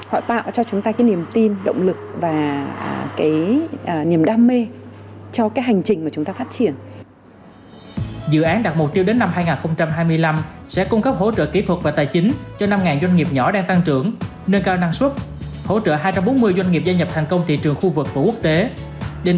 họ tạo cho chúng ta niềm tin động lực và niềm đam mê cho hành trình mà chúng ta phát triển